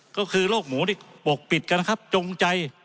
ก็คือโรคหมูที่ปกปิดกันนะครับจงใจ